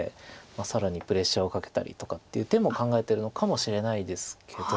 更にプレッシャーをかけたりとかっていう手も考えてるのかもしれないですけど。